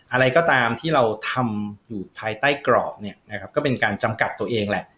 อะไรก็ตามที่เราทำภายใต้กรอบก็เป็นการจำกัดตัวเองแหล่ง